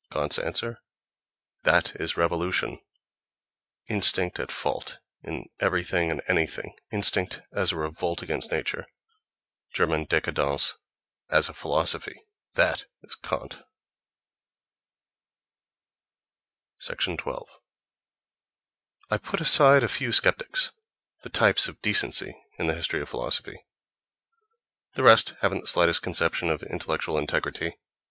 Kant's answer: "That is revolution." Instinct at fault in everything and anything, instinct as a revolt against nature, German décadence as a philosophy—that is Kant! — 12. I put aside a few sceptics, the types of decency in the history of philosophy: the rest haven't the slightest conception of intellectual integrity.